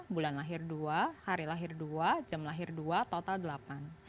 bulan lahir dua hari lahir dua jam lahir dua total delapan